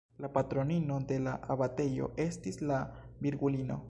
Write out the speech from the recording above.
La patronino de la abatejo estis la Virgulino.